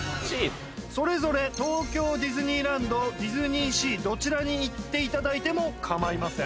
それぞれ東京ディズニーランドディズニーシーどちらに行っていただいてもかまいません